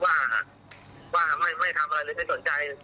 ว่าไม่ทำอะไรหรือไม่สนใจ